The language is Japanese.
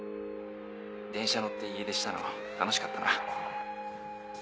電車乗って家出したの楽しかったな。